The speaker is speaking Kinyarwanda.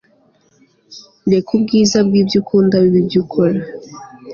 reka ubwiza bwibyo ukunda bibe ibyo ukora